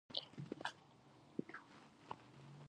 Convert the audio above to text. په افغانستان کې د کابل د اړتیاوو پوره کولو لپاره اقدامات کېږي.